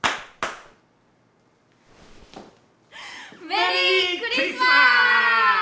メリークリスマス！